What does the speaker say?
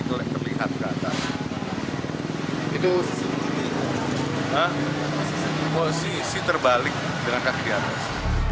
kelihatan itu posisi terbalik dengan kaki di atas